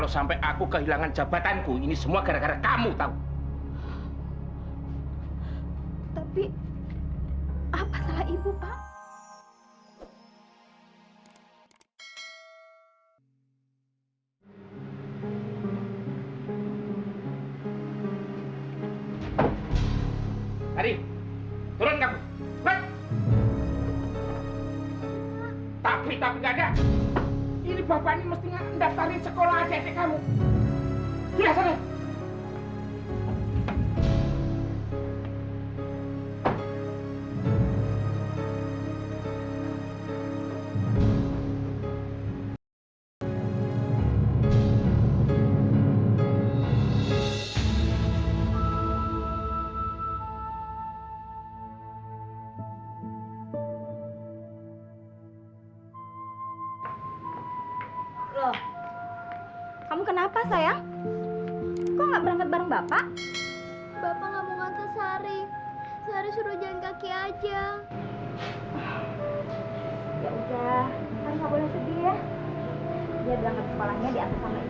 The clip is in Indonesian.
sampai jumpa di video selanjutnya